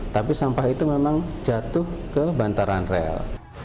tapi sampah itu memang jatuh ke bantaran rel